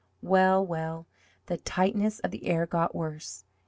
Well, well, the tightness of the air got worse.